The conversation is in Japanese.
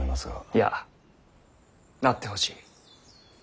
いやなってほしい。